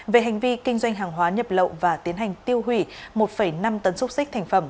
về hành vi kinh doanh hàng hóa nhập lậu và tiến hành tiêu hủy một năm tấn xúc xích thành phẩm